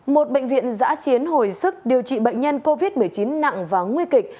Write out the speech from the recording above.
một bệnh viện giã chiến hồi sức điều trị bệnh nhân covid một mươi chín nặng và nguy kịch